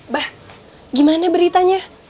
bah gimana beritanya